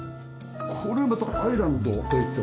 これまたアイランドといってもね。